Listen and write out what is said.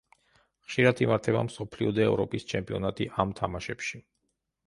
ხშირად იმართება მსოფლიო და ევროპის ჩემპიონატი ამ თამაშებში.